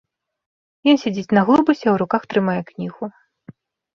Ён сядзіць на глобусе, а ў руках трымае кнігу.